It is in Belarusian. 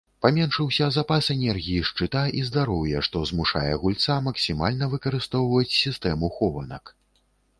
Паменшыўся запас энергіі шчыта і здароўя, што змушае гульца максімальна выкарыстоўваць сістэму хованак.